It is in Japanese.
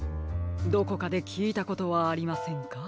どこかできいたことはありませんか？